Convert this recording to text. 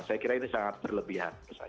saya kira ini sangat berlebihan